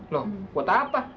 loh buat apa